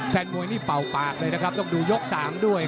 แฟนมวยนี่เป่าปากเลยนะครับต้องดูยก๓ด้วย